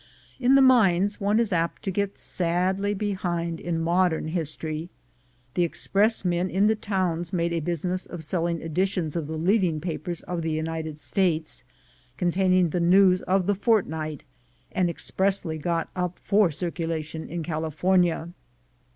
In the mines one was apt to get sadly behind in modern history. The express men in the towns made a business of selling editions of the lead ing papers of the United States, containing the news of the fortnight, and expressly got up for circulation in California.